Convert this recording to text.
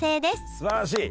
すばらしい！